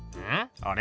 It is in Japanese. あれ？